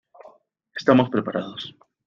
Estamos preparados.